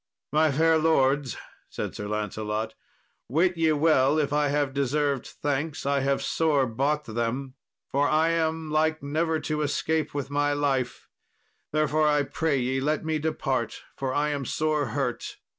"My fair lords," said Sir Lancelot, "wit ye well if I have deserved thanks, I have sore bought them, for I am like never to escape with my life; therefore I pray ye let me depart, for I am sore hurt.